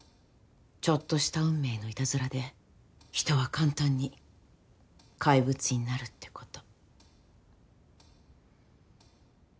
ちょっとした運命のいたずらで人は簡単に怪物になるってこと。